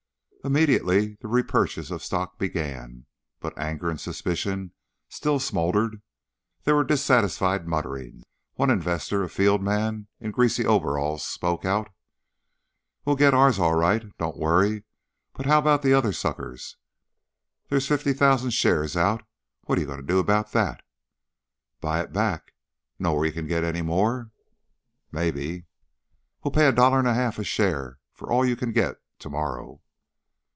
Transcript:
Immediately the repurchase of stock began, but anger and suspicion still smoldered; there were dissatisfied mutterings. One investor, a field man in greasy overalls, spoke out: "We'll get ours, all right. Don't worry. But how about the other suckers? There's fifty thousand shares out. What you going to do about that?" "Buy it back. Know where you can get any more?" "Maybe." "We'll pay a dollar and a half a share for all you can get, to morrow."